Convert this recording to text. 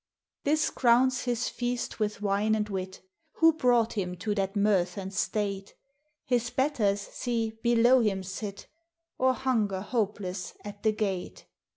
This crowns his feast with wine and wit. — Who brought him to that mirth and state? His betters, see, below him sit, Or hunger hopeless at the gate.